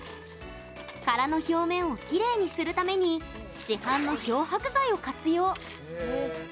殻の表面をきれいにするために市販の漂白剤を活用。